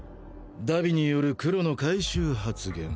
荼毘による黒の回収発言。